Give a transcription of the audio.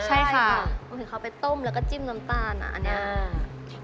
ใช่ค่ะบางทีเขาไปต้มแล้วก็จิ้มน้ำตาลอ่ะอันนี้